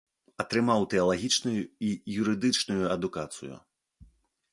Атрымаў тэалагічную і юрыдычную адукацыю.